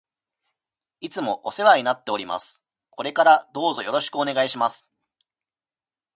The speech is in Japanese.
いつもお世話になっております。これからどうぞよろしくお願いします。